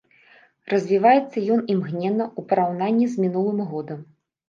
Развіваецца ён імгненна ў параўнанні з мінулым годам.